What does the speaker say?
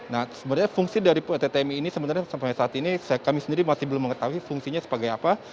nah sebenarnya fungsi dari pt tmi ini sebenarnya sampai saat ini kami sendiri masih belum mengetahui fungsinya sebagai apa